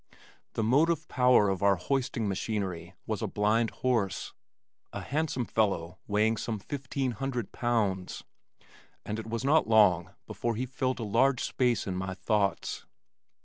The motive power of our hoisting machinery was a blind horse, a handsome fellow weighing some fifteen hundred pounds, and it was not long before he filled a large space in my thoughts.